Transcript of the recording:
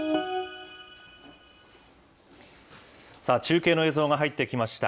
中継の映像が入ってきました。